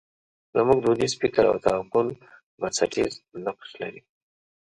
زموږ دودیز فکر او تعقل بنسټیز نقش لري.